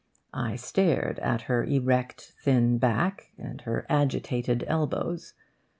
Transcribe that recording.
I stared at her erect thin back and her agitated elbows.